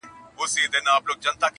خیراتونه اورېدل پر بې وزلانو٫